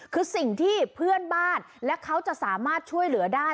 คือสิ่งที่เพื่อนบ้านและเขาจะสามารถช่วยเหลือได้